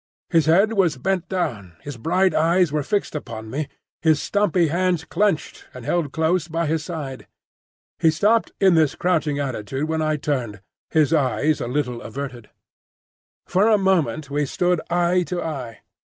His head was bent down, his bright eyes were fixed upon me, his stumpy hands clenched and held close by his side. He stopped in this crouching attitude when I turned, his eyes a little averted. For a moment we stood eye to eye.